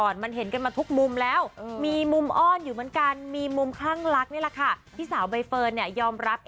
ดูคลิปสัมภัยคู่กันเราเองครับ